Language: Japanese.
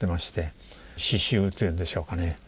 死臭というんでしょうかね。